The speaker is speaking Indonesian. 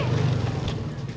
berhenti kakak berhenti